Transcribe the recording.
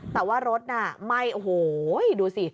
แต่ว่ารถน่ะไหม้โอ้โหดูสิ